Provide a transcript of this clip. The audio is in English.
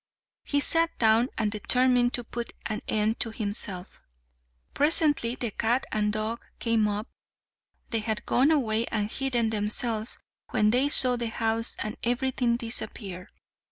He sat down and determined to put an end to himself. Presently the cat and dog came up. They had gone away and hidden themselves, when they saw the house and everything disappear.